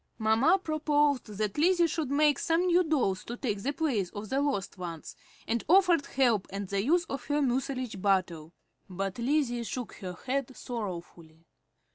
Mamma proposed that Lizzie should make some new dolls to take the place of the lost ones, and offered help and the use of her mucilage bottle; but Lizzie shook her head sorrowfully.